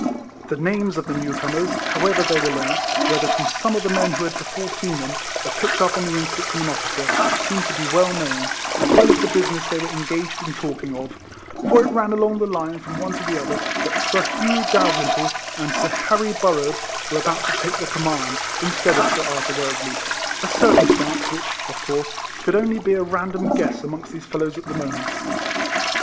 The names of the new comers, however they were learnt, whether from some of the men who had before seen them, or picked up on the instant from an officer, seemed to be well known, as well as the business they were engaged in talking of; for it ran along the line from one to the other that Sir Hugh Dalrymple and Sir Harry Burrard were about to take the command, instead of Sir Arthur Wellesley, a circumstance which, of course, could only be a random guess amongst these fellows at the mo ment.